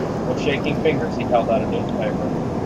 With shaking fingers he held out a newspaper.